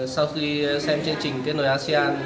sau khi xem chương trình kết nối asean